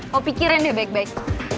lo pikirin deh baik baik